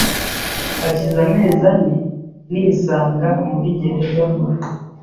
Hashize amezi ane nisanga muri gereza nkuru,